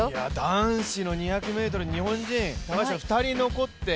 男子の２００ｍ、日本人２人残って。